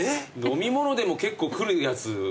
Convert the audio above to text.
飲み物でも結構くるやつを。